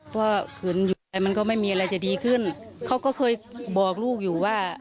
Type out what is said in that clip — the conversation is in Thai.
เพราะคืนมันก็ไม่มีอะไรจะดีขึ้นเขาก็เคยบอกลูกอยู่ว่า